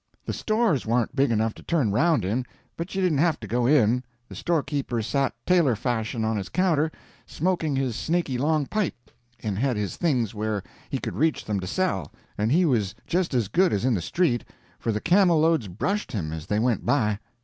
The stores warn't big enough to turn around in, but you didn't have to go in; the storekeeper sat tailor fashion on his counter, smoking his snaky long pipe, and had his things where he could reach them to sell, and he was just as good as in the street, for the camel loads brushed him as they went by.